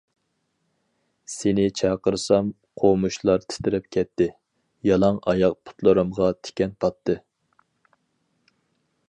سېنى چاقىرسام قومۇشلار تىترەپ كەتتى، يالاڭ ئاياغ پۇتلىرىمغا تىكەن پاتتى.